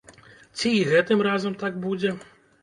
Ці і гэтым разам так будзе?